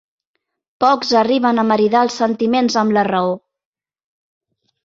Pocs arriben a maridar els sentiments amb la raó.